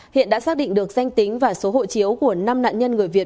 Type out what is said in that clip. hiện đã xác định được danh tính và số hộ chiếu của năm nạn nhân người việt